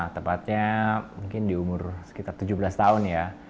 tepatnya mungkin di umur sekitar tujuh belas tahun ya